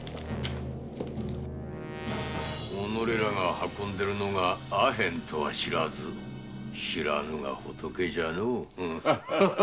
運んでいるのが阿片とは知らず知らぬが仏じゃのう。